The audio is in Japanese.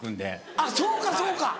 あっそうかそうか。